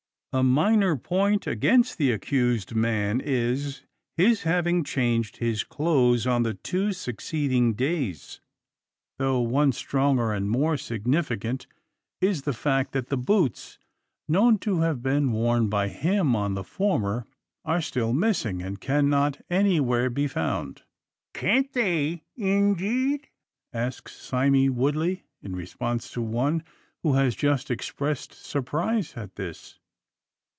A minor point against the accused man is, his having changed his clothes on the two succeeding days; though one stronger and more significant, is the fact that the boots, known to have been worn by him on the former, are still missing and cannot anywhere be found. "Can't they, indeed?" asks Sime Woodley, in response to one, who has just expressed surprise at this.